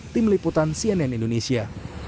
tim liputan cnn indonesia